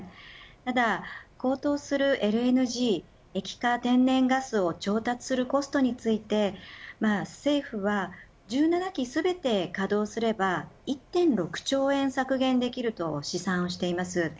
ただ、高騰するＬＮＧ液化天然ガスを調達するコストについて政府は、１７基全て稼働すれば１．６兆円、削減できると試算しています。